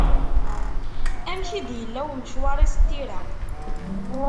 Amek i d-yella umecwar-is n tira?